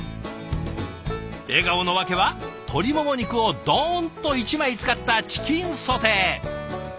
笑顔のわけは鶏もも肉をどんと１枚使ったチキンソテー。